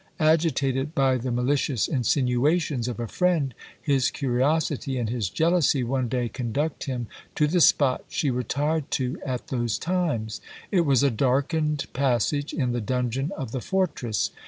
Agitated by the malicious insinuations of a friend, his curiosity and his jealousy one day conduct him to the spot she retired to at those times. It was a darkened passage in the dungeon of the fortress.